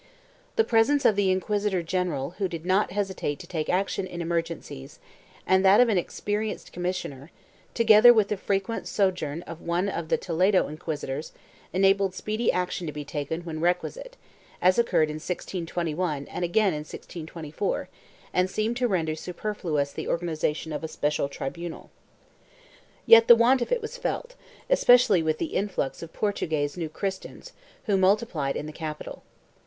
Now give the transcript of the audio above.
2 The presence of the inquisitor general who did not hesitate to< take action in emergencies, and that of an experienced commissioner, together with the frequent sojourn of one of the Toledo inquisitors enabled speedy action to be taken when requisite, as occurred in 1621 and again in 1624 and seemed to render superfluous the organization of a special tribunal.3 Yet the want of it was felt, especially with the influx of Portuguese New Christians who multiplied in the capital.